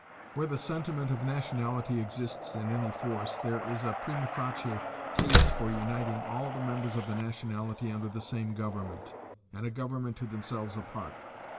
Where the sentiment of nationality exists in any force, there is a primâ facie case for uniting all the members of the nationality under the same government, and a government to themselves apart.